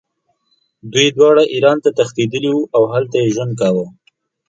دوی دواړه ایران ته تښتېدلي وو او هلته یې ژوند کاوه.